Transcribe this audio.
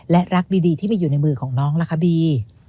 และรักดีที่มีอยู่ในมือของน้องล่ะคะบี